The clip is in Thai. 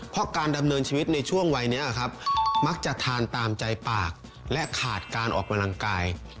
เพราะการดำเนินชีวิตในช่วงวัยนี้ครับมักจะทานตามใจปากและขาดการออกกำลังกาย